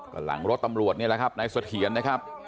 ก็หลังรถตำรวจนี่แหละครับนายเสถียรนะครับ